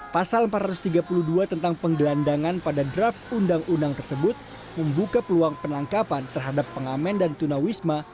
pasal empat ratus tiga puluh dua tentang penggelandangan pada draft undang undang tersebut membuka peluang penangkapan terhadap pengamen dan tunawisma